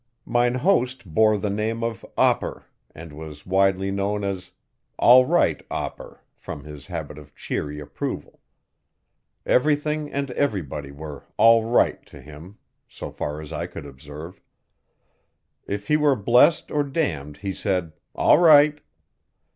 Mine host bore the name of Opper and was widely known as 'All Right' Opper, from his habit of cheery approval. Everything and everybody were 'all right' to him so far as I could observe. If he were blessed or damned he said 'all right.